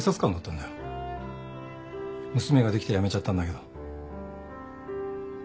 娘ができて辞めちゃったんだけど。